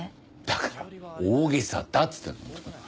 だから大げさだっつってんのホント。